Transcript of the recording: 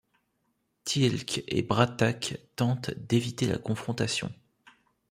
Teal'c et Bra'tac tentent d'éviter la confrontation.